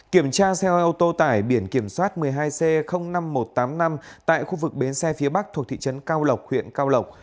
kiểm tra xe ô tô tải biển kiểm soát một mươi hai c năm nghìn một trăm tám mươi năm tại khu vực bến xe phía bắc thuộc thị trấn cao lộc huyện cao lộc